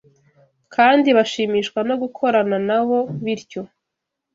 kandi bashimishwa no gukorana na bo bityo